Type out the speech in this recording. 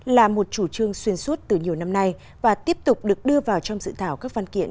là một chủ trương xuyên suốt từ nhiều năm nay và tiếp tục được đưa vào trong dự thảo các văn kiện